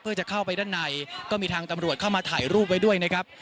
เพื่อจะเข้าไปด้านในก็มีทางตำรวจเข้ามาถ่ายรูปไว้ด้วยนะครับ